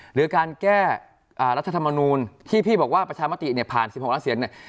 หรือการแก้รัฐธรรมนูลที่พี่บอกว่าประชามติเนี่ยผ่าน๑๖ล้านเสียงเนี่ย